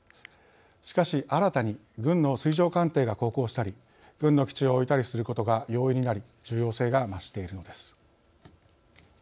しかし、新たに軍の水上艦艇が航行したり軍の基地を置いたりすることが容易になり重要性が増しているのです。